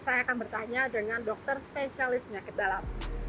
saya akan bertanya dengan dokter spesialis penyakit dalam